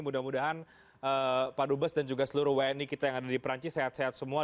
mudah mudahan pak dubes dan juga seluruh wni kita yang ada di perancis sehat sehat semua